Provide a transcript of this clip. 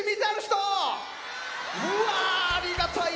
うわーありがたい！